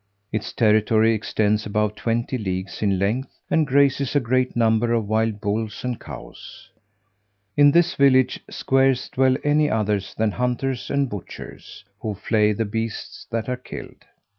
Its territory extends above twenty leagues in length, and grazes a great number of wild bulls and cows. In this village scarce dwell any others than hunters and butchers, who flay the beasts that are killed.